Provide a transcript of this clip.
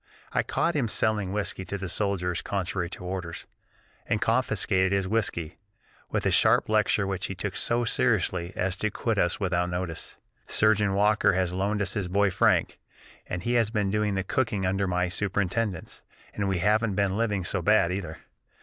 I caught him selling whiskey to the soldiers contrary to orders, and confiscated his whiskey, with a sharp lecture which he took so seriously as to quit us without notice. Surgeon Walker has loaned us his boy Frank, and he has been doing the cooking under my superintendence, and we haven't been living so bad either.